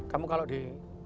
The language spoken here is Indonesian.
kamu kalau di